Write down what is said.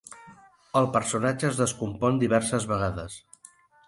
El personatge es descompon diverses vegades.